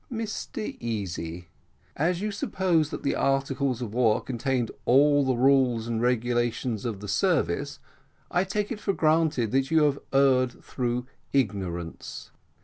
"Mr Easy, as you suppose that the articles of war contained all the rules and regulations of the service, I take it for granted that you have erred through ignorance.